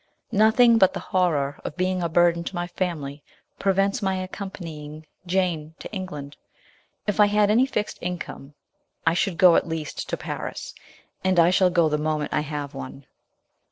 ... Nothing but the horror of being a burden to my family prevents my accompanying Jane (to England). If I had any fixed income, I should go at least to Paris, and i shall go the moment I have one."